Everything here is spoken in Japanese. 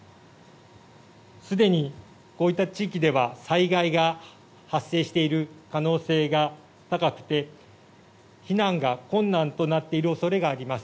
すでにこういった地域では災害が発生している可能性が高くて避難が困難となっている恐れがあります。